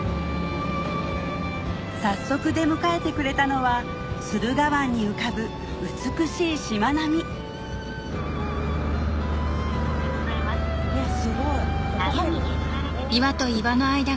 早速出迎えてくれたのは駿河湾に浮かぶ美しい島並みすごいここ入る？